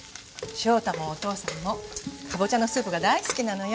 翔太もお父さんもカボチャのスープが大好きなのよ。